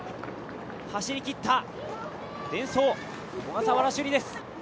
走り切ったデンソー、小笠原朱里です。